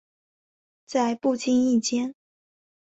在不经意间